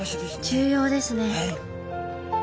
重要ですね。